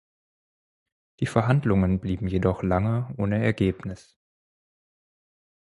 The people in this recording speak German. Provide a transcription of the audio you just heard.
Die Verhandlungen blieben jedoch lange ohne Ergebnis.